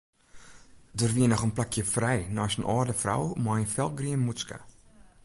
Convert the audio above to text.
Der wie noch in plakje frij neist in âlde frou mei in felgrien mûtske.